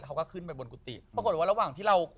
เขาก็ขึ้นไปบนกุฏิปรากฏว่าระหว่างที่เรา